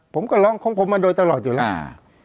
ผมก็ร้องของผมมาโดยตลอดอยู่แล้ว